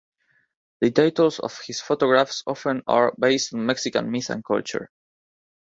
The titles of his photographs often are based on Mexican myth and culture.